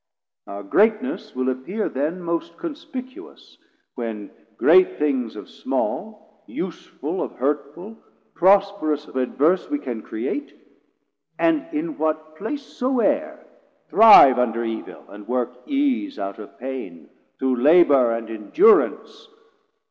Our greatness will appear Then most conspicuous, when great things of small, Useful of hurtful, prosperous of adverse We can create, and in what place so e're 260 Thrive under evil, and work ease out of pain Through labour and endurance.